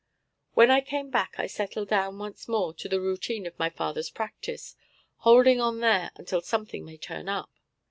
When I came back I settled down once more to the routine of my father's practice, holding on there until something may turn up.